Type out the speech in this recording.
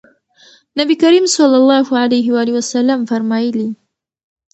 نبي کريم صلی الله عليه وسلم فرمايلي: